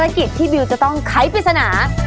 โดยที่พี่จะมีคำใบให้